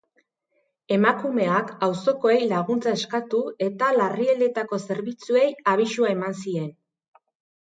Emakumeak auzokoei laguntza eskatu eta larrialdietako zerbitzuei abisua eman zien.